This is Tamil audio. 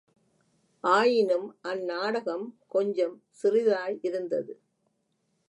ஆயினும் அந்நாடகம் கொஞ்சம் சிறிதாயிருந்தது.